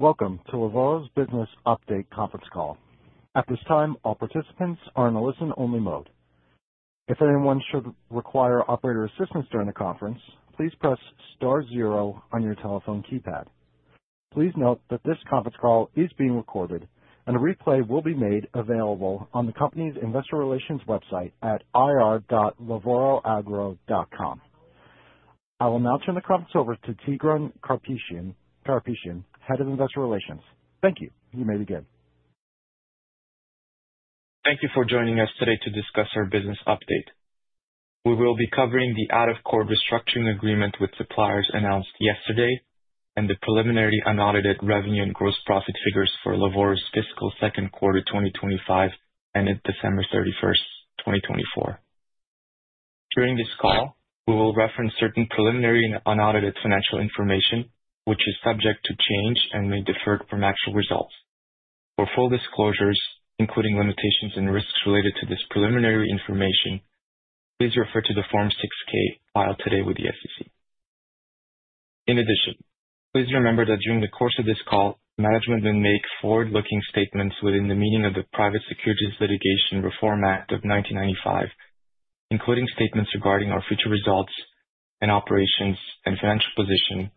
Welcome to Lavoro's business update conference call. At this time, all participants are in a listen-only mode. If anyone should require operator assistance during the conference, please press star zero on your telephone keypad. Please note that this conference call is being recorded, and a replay will be made available on the company's investor relations website at ir.lavoroagro.com. I will now turn the conference over to Tigran Karapetian, Head of Investor Relations. Thank you. You may begin. Thank you for joining us today to discuss our business update. We will be covering the out-of-court restructuring agreement with suppliers announced yesterday and the preliminary unaudited revenue and gross profit figures for Lavoro's fiscal second quarter 2025 ended December 31st, 2024. During this call, we will reference certain preliminary and unaudited financial information, which is subject to change and may differ from actual results. For full disclosures, including limitations and risks related to this preliminary information, please refer to the Form 6-K filed today with the SEC. In addition, please remember that during the course of this call, management may make forward-looking statements within the meaning of the Private Securities Litigation Reform Act of 1995, including statements regarding our future results and operations and financial position,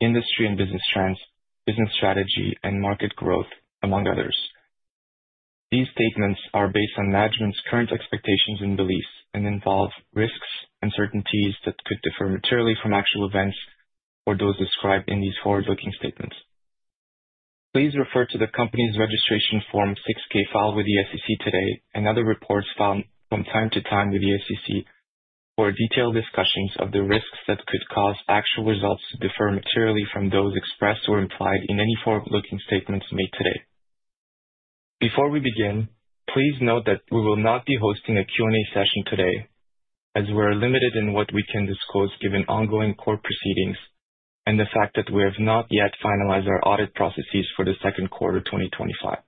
industry and business trends, business strategy, and market growth, among others. These statements are based on management's current expectations and beliefs and involve risks, uncertainties that could differ materially from actual events or those described in these forward-looking statements. Please refer to the company's registration Form 6-K filed with the SEC today and other reports filed from time to time with the SEC for detailed discussions of the risks that could cause actual results to differ materially from those expressed or implied in any forward-looking statements made today. Before we begin, please note that we will not be hosting a Q&A session today, as we are limited in what we can disclose given ongoing court proceedings and the fact that we have not yet finalized our audit processes for the second quarter 2025.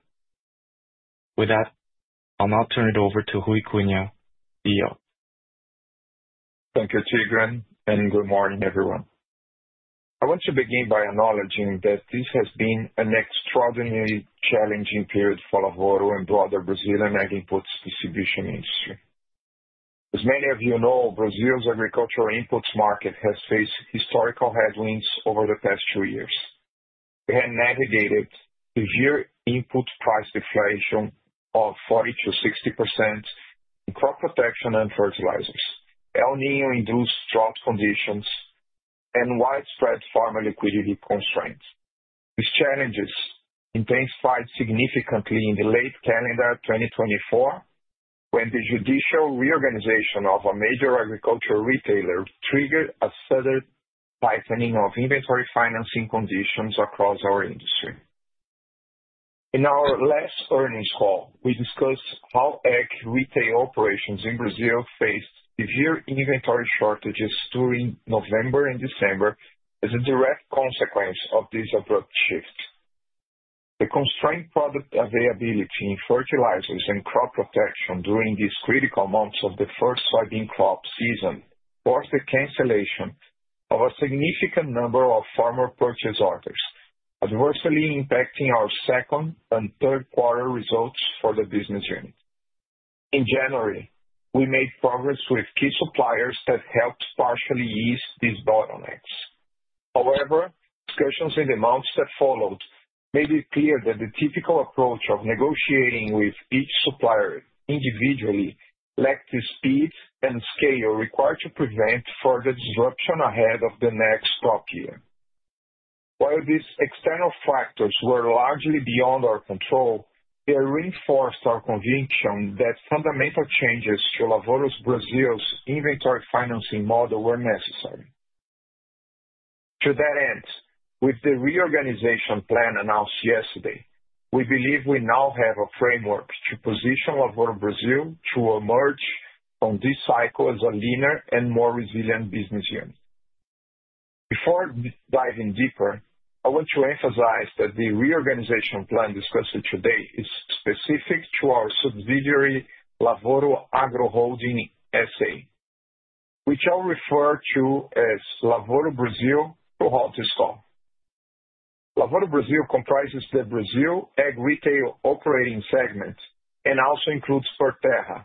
With that, I'll now turn it over to Ruy Cunha, CEO. Thank you, Tigran, and good morning, everyone. I want to begin by acknowledging that this has been an extraordinarily challenging period for Lavoro and the broader Brazilian ag inputs distribution industry. As many of you know, Brazil's agricultural inputs market has faced historical headwinds over the past few years. We have navigated severe input price deflation of 40%-60% in crop protection and fertilizers, El Niño-induced drought conditions, and widespread farmer liquidity constraints. These challenges intensified significantly in late calendar 2024, when the judicial reorganization of a major agricultural retailer triggered a sudden tightening of inventory financing conditions across our industry. In our last earnings call, we discussed how ag retail operations in Brazil faced severe inventory shortages during November and December as a direct consequence of this abrupt shift. The constrained product availability in fertilizers and crop protection during these critical months of the first soybean crop season forced the cancellation of a significant number of farmer purchase orders, adversely impacting our second and third quarter results for the business unit. In January, we made progress with key suppliers that helped partially ease these bottlenecks. However, discussions in the months that followed made it clear that the typical approach of negotiating with each supplier individually lacked the speed and scale required to prevent further disruption ahead of the next crop year. While these external factors were largely beyond our control, they reinforced our conviction that fundamental changes to Lavoro Brazil's inventory financing model were necessary. To that end, with the reorganization plan announced yesterday, we believe we now have a framework to position Lavoro Brazil to emerge from this cycle as a leaner and more resilient business unit. Before diving deeper, I want to emphasize that the reorganization plan discussed today is specific to our subsidiary Lavoro Agro Holding S.A., which I'll refer to as Lavoro Brazil throughout this call. Lavoro Brazil comprises the Brazil ag retail operating segment and also includes Proterra,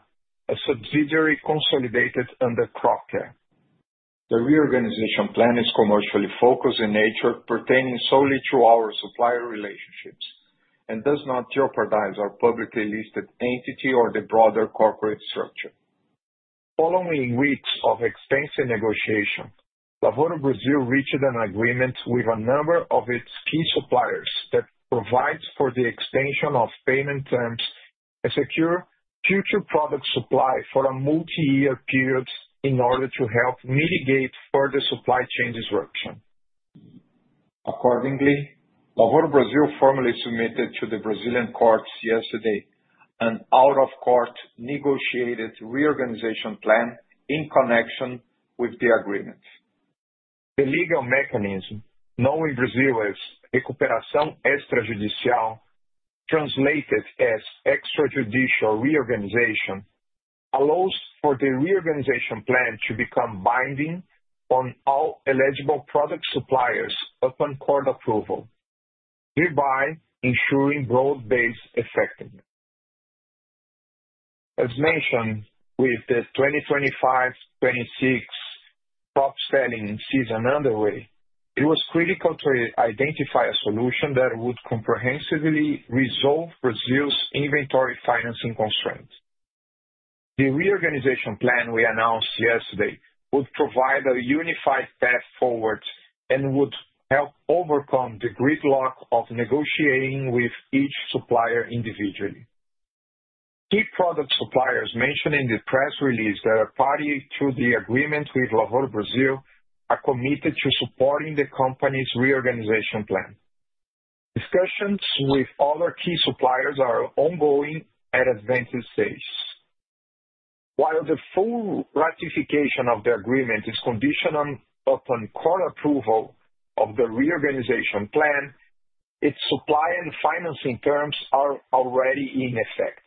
a subsidiary consolidated under Cropcare. The reorganization plan is commercially focused in nature, pertaining solely to our supplier relationships, and does not jeopardize our publicly listed entity or the broader corporate structure. Following weeks of extensive negotiation, Lavoro Brazil reached an agreement with a number of its key suppliers that provides for the extension of payment terms and secure future product supply for a multi-year period in order to help mitigate further supply chain disruption. Accordingly, Lavoro Brazil formally submitted to the Brazilian courts yesterday an out-of-court negotiated reorganization plan in connection with the agreement. The legal mechanism, known in Brazil as recuperação extrajudicial, translated as extrajudicial reorganization, allows for the reorganization plan to become binding on all eligible product suppliers upon court approval, thereby ensuring broad-based effectiveness. As mentioned, with the 2025-2026 crop selling season underway, it was critical to identify a solution that would comprehensively resolve Brazil's inventory financing constraints. The reorganization plan we announced yesterday would provide a unified path forward and would help overcome the gridlock of negotiating with each supplier individually. Key product suppliers mentioned in the press release that are party to the agreement with Lavoro Brazil are committed to supporting the company's reorganization plan. Discussions with other key suppliers are ongoing at advanced stages. While the full ratification of the agreement is conditional upon court approval of the reorganization plan, its supply and financing terms are already in effect,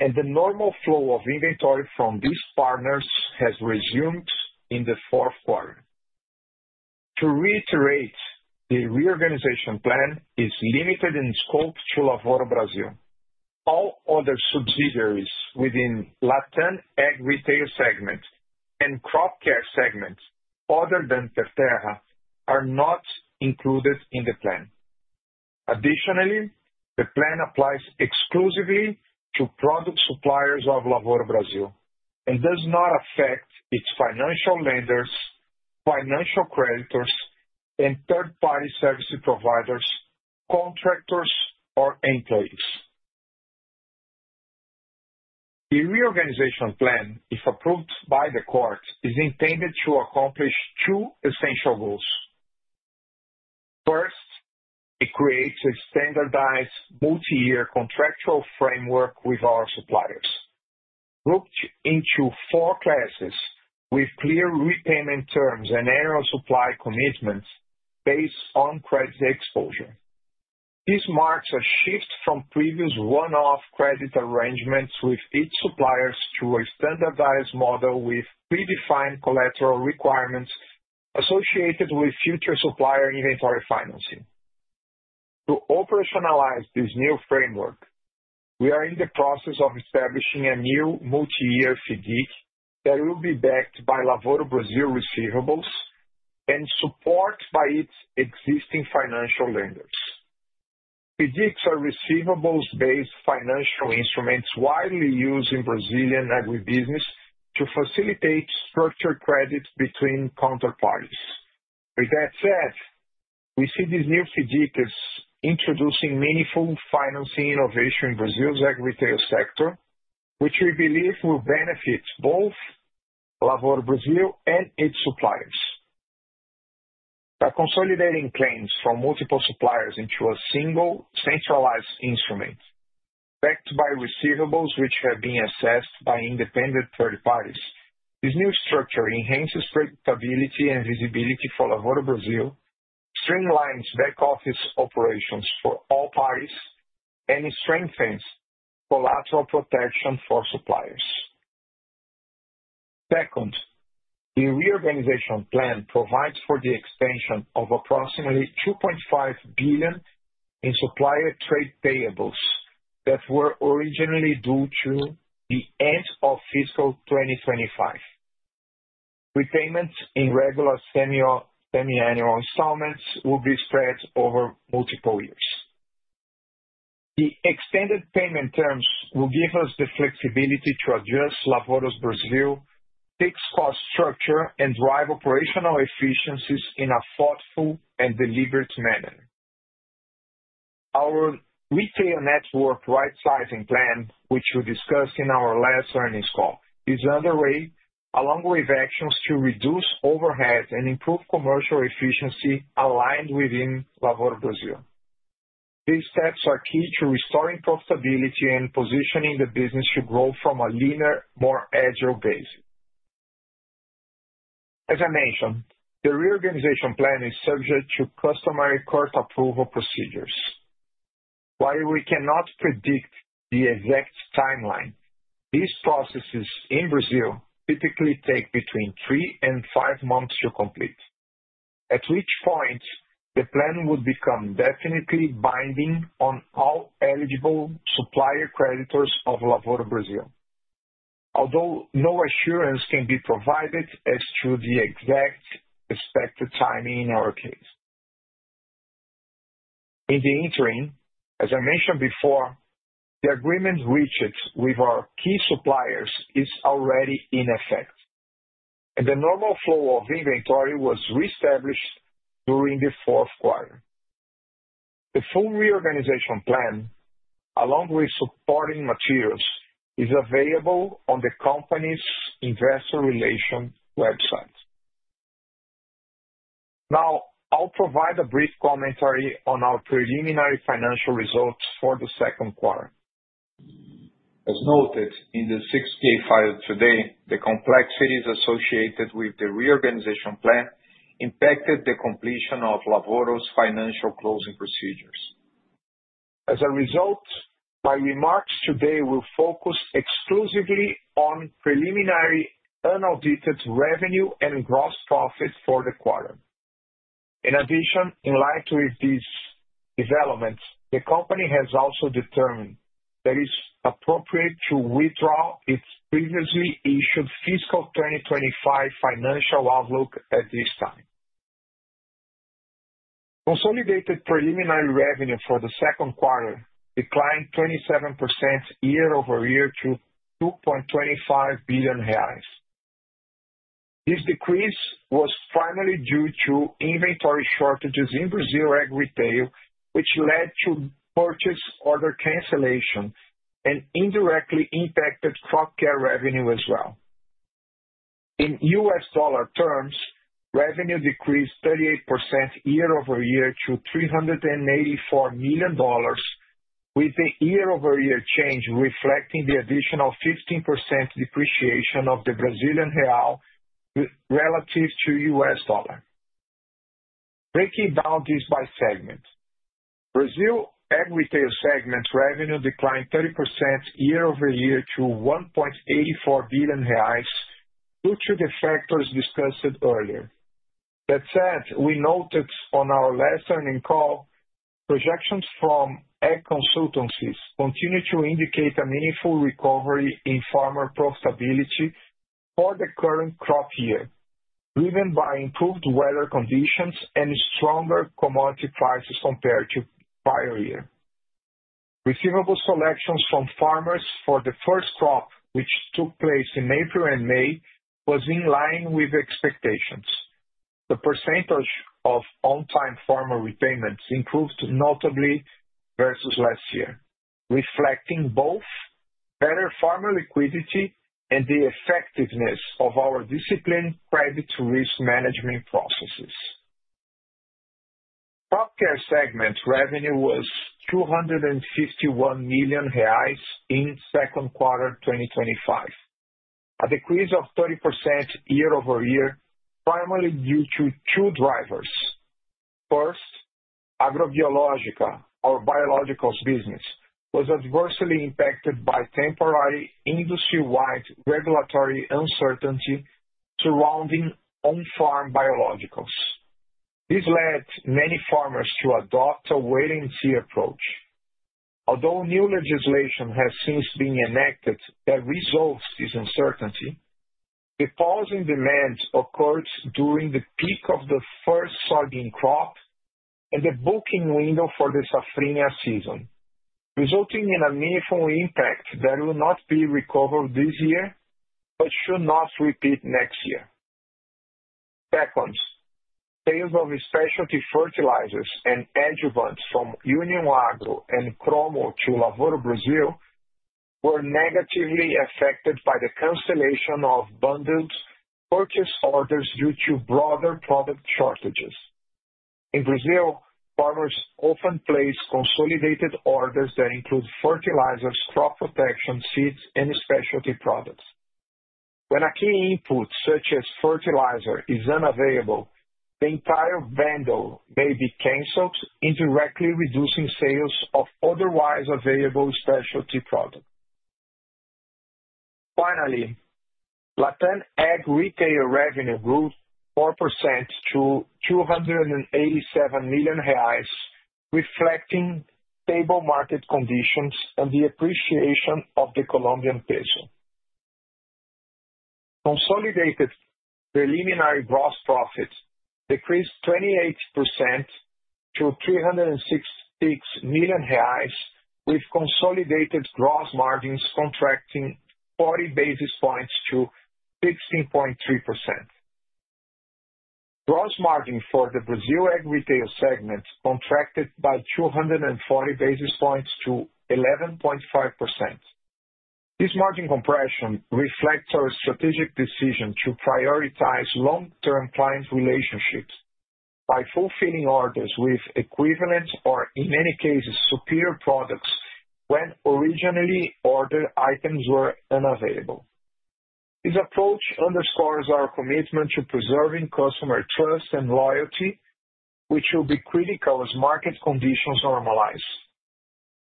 and the normal flow of inventory from these partners has resumed in the fourth quarter. To reiterate, the reorganization plan is limited in scope to Lavoro Brazil. All other subsidiaries within the Latin Ag retail segment and Cropcare segment, other than Proterra, are not included in the plan. Additionally, the plan applies exclusively to product suppliers of Lavoro Brazil and does not affect its financial lenders, financial creditors, and third-party service providers, contractors, or employees. The reorganization plan, if approved by the courts, is intended to accomplish two essential goals. First, it creates a standardized multi-year contractual framework with our suppliers, grouped into four classes with clear repayment terms and annual supply commitments based on credit exposure. This marks a shift from previous one-off credit arrangements with each supplier to a standardized model with predefined collateral requirements associated with future supplier inventory financing. To operationalize this new framework, we are in the process of establishing a new multi-year FIDIC that will be backed by Lavoro Brazil receivables and supported by its existing financial lenders. FIDICs are receivables-based financial instruments widely used in Brazilian agribusiness to facilitate structured credit between counterparties. With that said, we see this new FIDIC as introducing meaningful financing innovation in Brazil's ag retail sector, which we believe will benefit both Lavoro Brazil and its suppliers. By consolidating claims from multiple suppliers into a single centralized instrument backed by receivables which have been assessed by independent third parties, this new structure enhances predictability and visibility for Lavoro Brazil, streamlines back office operations for all parties, and strengthens collateral protection for suppliers. Second, the reorganization plan provides for the extension of approximately $2.5 billion in supplier trade payables that were originally due to the end of fiscal 2025. Repayments in regular semi-annual installments will be spread over multiple years. The extended payment terms will give us the flexibility to adjust Lavoro's Brazil fixed cost structure and drive operational efficiencies in a thoughtful and deliberate manner. Our retail network right-sizing plan, which we discussed in our last earnings call, is underway along with actions to reduce overhead and improve commercial efficiency aligned within Lavoro Brazil. These steps are key to restoring profitability and positioning the business to grow from a leaner, more agile base. As I mentioned, the reorganization plan is subject to customary court approval procedures. While we cannot predict the exact timeline, these processes in Brazil typically take between three and five months to complete, at which point the plan would become definitely binding on all eligible supplier creditors of Lavoro Brazil, although no assurance can be provided as to the exact expected timing in our case. In the interim, as I mentioned before, the agreement reached with our key suppliers is already in effect, and the normal flow of inventory was reestablished during the fourth quarter. The full reorganization plan, along with supporting materials, is available on the company's investor relations website. Now, I'll provide a brief commentary on our preliminary financial results for the second quarter. As noted in the 6-K file today, the complexities associated with the reorganization plan impacted the completion of Lavoro's financial closing procedures. As a result, my remarks today will focus exclusively on preliminary unaudited revenue and gross profit for the quarter. In addition, in light of these developments, the company has also determined that it is appropriate to withdraw its previously issued fiscal 2025 financial outlook at this time. Consolidated preliminary revenue for the second quarter declined 27% year-over year to 2.25 billion reais. This decrease was primarily due to inventory shortages in Brazil Ag retail, which led to purchase order cancellation and indirectly impacted Cropcare revenue as well. In U.S. dollar terms, revenue decreased 38% year-over-year to $384 million, with the year-over-year change reflecting the additional 15% depreciation of the Brazilian real relative to the U.S. dollar. Breaking down this by segment, Brazil Ag retail segment revenue declined 30% year-over-year to 1.84 billion reais due to the factors discussed earlier. That said, we noted on our last earnings call, projections from ag consultancies continue to indicate a meaningful recovery in farmer profitability for the current crop year, driven by improved weather conditions and stronger commodity prices compared to prior year. Receivable selections from farmers for the first crop, which took place in April and May, were in line with expectations. The percentage of on-time farmer repayments improved notably versus last year, reflecting both better farmer liquidity and the effectiveness of our disciplined credit risk management processes. Cropcare segment revenue was 251 million reais in second quarter 2025, a decrease of 30% year-over-year, primarily due to two drivers. First, Agrobiológica, our biologicals business, was adversely impacted by temporary industry-wide regulatory uncertainty surrounding on-farm biologicals. This led many farmers to adopt a wait-and-see approach. Although new legislation has since been enacted that resolves this uncertainty, the pause in demand occurred during the peak of the first soybean crop and the booking window for the Safrina season, resulting in a meaningful impact that will not be recovered this year but should not repeat next year. Second, sales of specialty fertilizers and adjuvants from Union Agro and Cromo to Lavoro Brazil were negatively affected by the cancellation of bundled purchase orders due to broader product shortages. In Brazil, farmers often place consolidated orders that include fertilizers, crop protection seeds, and specialty products. When a key input such as fertilizer is unavailable, the entire bundle may be canceled, indirectly reducing sales of otherwise available specialty products. Finally, Latin Ag retail revenue grew 4% to 287 million reais, reflecting stable market conditions and the appreciation of the Colombian peso. Consolidated preliminary gross profit decreased 28% to 366 million reais, with consolidated gross margins contracting 40 basis points to 16.3%. Gross margin for the Brazil ag retail segment contracted by 240 basis points to 11.5%. This margin compression reflects our strategic decision to prioritize long-term client relationships by fulfilling orders with equivalent or, in many cases, superior products when originally ordered items were unavailable. This approach underscores our commitment to preserving customer trust and loyalty, which will be critical as market conditions normalize.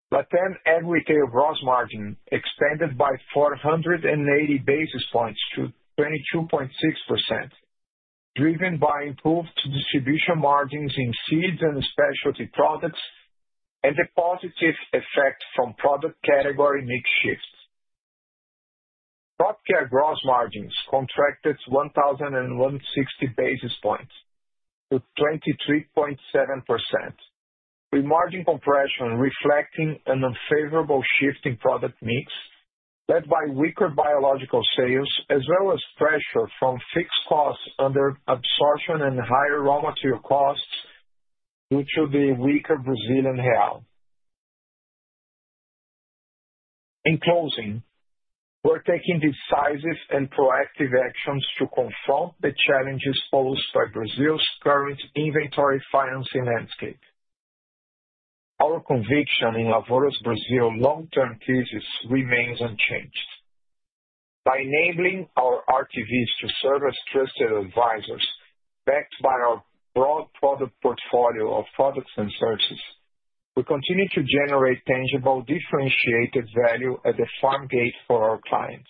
Latin Ag retail gross margin expanded by 480 basis points to 22.6%, driven by improved distribution margins in seeds and specialty products and the positive effect from product category mix shifts. Cropcare gross margins contracted 1,160 basis points to 23.7%, with margin compression reflecting an unfavorable shift in product mix led by weaker biological sales as well as pressure from fixed costs under absorption and higher raw material costs due to the weaker Brazilian real. In closing, we're taking decisive and proactive actions to confront the challenges posed by Brazil's current inventory financing landscape. Our conviction in Lavoro's Brazil long-term thesis remains unchanged. By enabling our RTVs to serve as trusted advisors backed by our broad product portfolio of products and services, we continue to generate tangible differentiated value at the farm gate for our clients.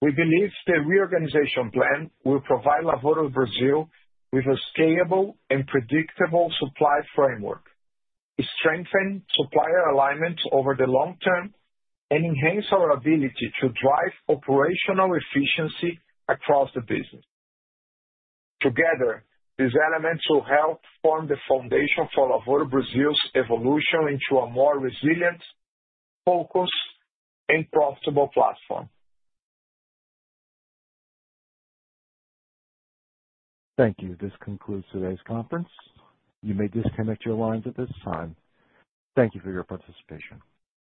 We believe the reorganization plan will provide Lavoro Brazil with a scalable and predictable supply framework, strengthen supplier alignment over the long term, and enhance our ability to drive operational efficiency across the business. Together, these elements will help form the foundation for Lavoro Brazil's evolution into a more resilient, focused, and profitable platform. Thank you. This concludes today's conference. You may disconnect your lines at this time. Thank you for your participation.